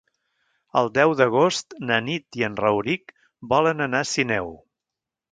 El deu d'agost na Nit i en Rauric volen anar a Sineu.